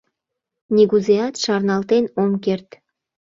Нигузеат шарналтен ом керт.